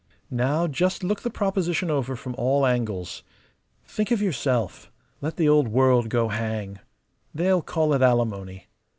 Now just look the proposition over from all angles. Think of yourself; let the old world go hang. They'll call it alimony.